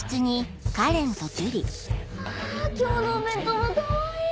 あ今日のお弁当もかわいい！